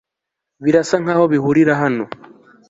Birasa nkaho bihurira hano